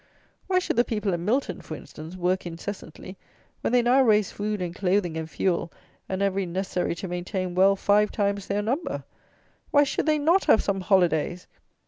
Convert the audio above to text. Why should the people at Milton, for instance, work incessantly, when they now raise food and clothing and fuel and every necessary to maintain well five times their number? Why should they not have some holidays?